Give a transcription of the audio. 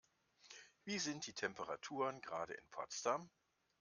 Wie sind die Temperaturen gerade in Potsdam?